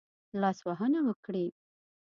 لاسوهنه وکړي.